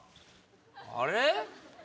あれ？